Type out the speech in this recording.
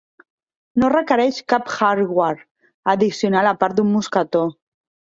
No requereix cap hardware addicional a part d'un mosquetó.